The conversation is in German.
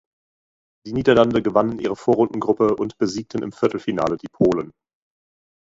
Die Niederlande gewannen ihre Vorrundengruppe und besiegten im Viertelfinale die Polen.